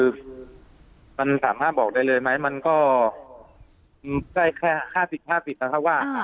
คือมันสามารถบอกได้เลยไหมมันก็ได้แค่ห้าสิบห้าสิบนะครับว่า